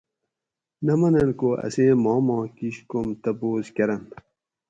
نہ مننت کو اسیں ماما کیش کوم تپوس کرنت